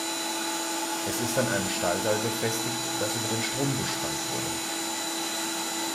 Es ist an einem Stahlseil befestigt, das über den Strom gespannt wurde.